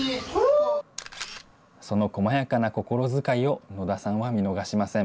その細やかな心遣いを野田さんは見逃しません。